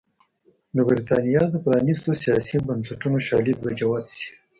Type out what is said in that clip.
د برېټانیا د پرانېستو سیاسي بنسټونو شالید به جوت شي.